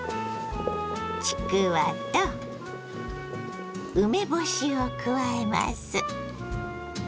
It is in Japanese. ちくわと梅干しを加えます。